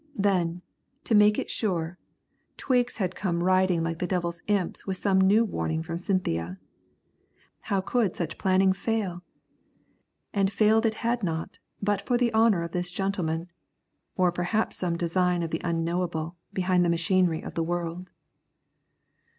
Then, to make it sure, Twiggs had come riding like the devil's imps with some new warning from Cynthia. How could such planning fail? And failed it had not but for the honour of this gentleman, or perhaps some design of the Unknowable behind the machinery of the world.